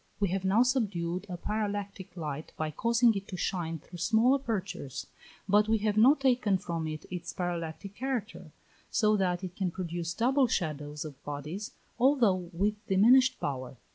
We have now subdued a parallactic light by causing it to shine through small apertures, but we have not taken from it its parallactic character; so that it can produce double shadows of bodies, although with diminished power.